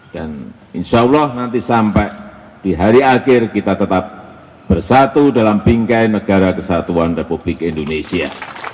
dan insyaallah nanti sampai di hari akhir kita tetap bersatu dalam bingkai negara kesatuan republik indonesia